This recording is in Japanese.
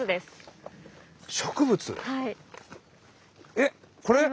えっこれ？